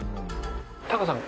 タカさん